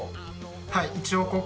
はい。